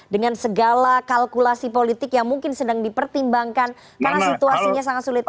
dengan segala kalkulasi politik yang mungkin sedang dipertimbangkan karena situasinya sangat sulit